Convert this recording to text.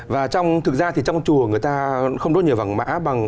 và thực ra thì trong chùa người ta không đốt nhiều vàng mã bằng